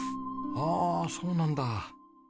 ああそうなんだ。